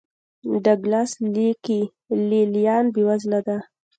ډاګلاس لیکي لې لیان بېوزله دي.